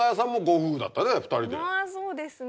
あぁそうですね。